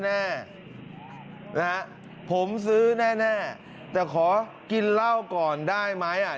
ไฮฮะผมซื้อแน่แต่ขอกินเหล้าก่อนได้ไหม